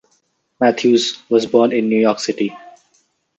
Matthews was born in New York City.